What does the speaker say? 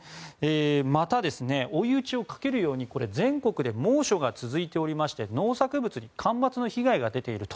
また、追い打ちをかけるように全国で猛暑が続いていまして農作物に干ばつの被害が出ていると。